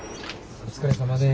お疲れさまです。